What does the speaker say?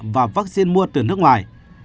và vaccine mua từ nước ngoài